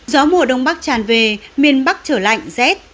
gió mùa đông bắc tràn về miền bắc trở lạnh rét